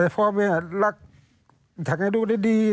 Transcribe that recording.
พ่อแม่รักอยากให้ลูกได้ดี